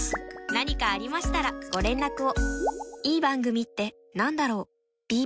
何かありましたらご連絡を。